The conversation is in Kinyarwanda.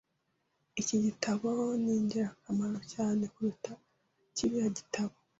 Iki gitabo ni ingirakamaro cyane kuruta kiriya gitabo.